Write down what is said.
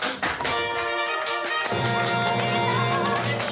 おめでとう！